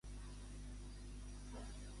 Quin fet és el que incrimina Villarejo?